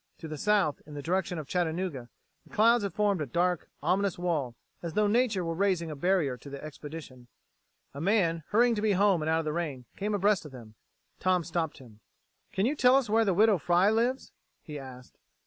To the south, in the direction of Chattanooga, the clouds had formed a dark, ominous wall, as though nature were raising a barrier to the expedition. A man, hurrying to be home and out of the rain, came abreast of them. Tom stopped him. "Can you tell us where the Widow Fry lives?" he asked.